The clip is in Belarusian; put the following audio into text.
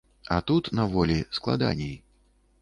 А тут, на волі, складаней.